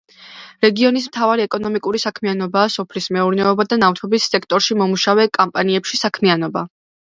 რეგიონის მთავარი ეკონომიკური საქმიანობაა სოფლის მეურნეობა და ნავთობის სექტორში მომუშავე კომპანიებში საქმიანობა.